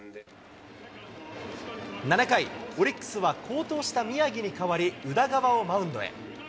７回、オリックスは、好投した宮城に代わり、宇田川をマウンドへ。